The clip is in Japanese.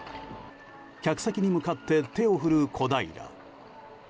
客席に向かって手を振る小平。